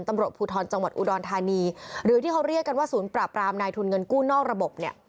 ตำรวจภูทรจังหวัดอุดรธานีหรือที่เขาเรียกกันว่าศูนย์ปราบรามนายทุนเงินกู้นอกระบบเนี่ย